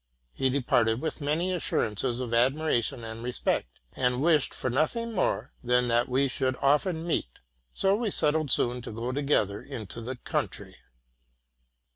He departed with many assurances of admiration and respect, and wished for nothing more than that we should often meet; so we settled soon to go to gether into the country.